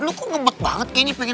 lu kok ngebet banget kayaknya pengen